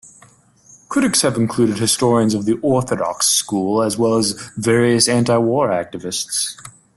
Critics have included historians of the "orthodox" school, as well as various anti-war activists.